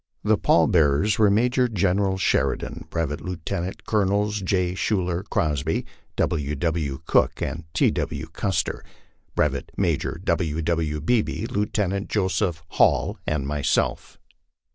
The pall bearers were Major General Sheridan, Brevet Lieutenant Colonels J. Schuyler Crosby, W. W. Cook, and T. W. Cus ter. Brevet Major W. W. Beebe, Lieutenant Joseph Hall, arid myself.